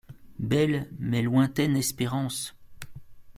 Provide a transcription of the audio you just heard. Belle, mais lointaine espérance.